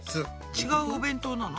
違うお弁当なの？